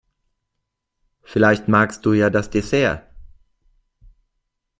Vielleicht magst du ja das Dessert?